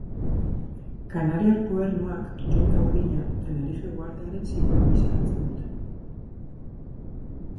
Kanariar Gobernuak, txonta urdina, Tenerife uhartearen sinbolo gisa hartzen dute.